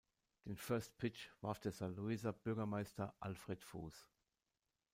Den "first pitch" warf der Saarlouiser Bürgermeister Alfred Fuß.